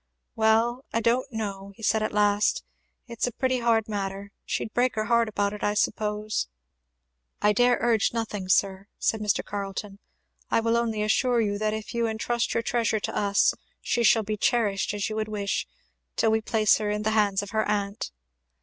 "Well, I don't know! " he said at last, "it's a pretty hard matter she'd break her heart about it, I suppose, " "I dare urge nothing, sir," said Mr. Carleton. "I will only assure you that if you entrust your treasure to us she shall be cherished as you would wish, till we place her in the hands of her aunt."